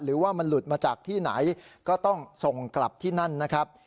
หรือว่ามันหลุดมาจากที่ไหนก็ต้องส่งกลับที่นั่นนะครับ